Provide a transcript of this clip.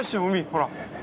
ほら。